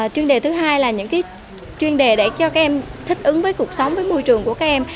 chuyên đề thứ hai là những chuyên đề để cho các em thích ứng với cuộc sống với môi trường của các em